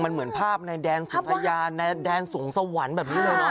มันเหมือนภาพในแดนสุนทยาในแดนสวงสวรรค์แบบนี้เลยนะ